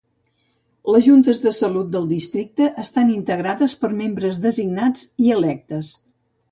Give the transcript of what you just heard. Les Juntes de Salut del districte estan integrades per membres designats i electes.